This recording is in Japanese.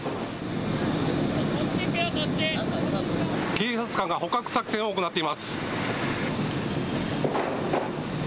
警察官が捕獲作戦を行っています。